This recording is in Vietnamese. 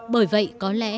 bởi vậy có lẽ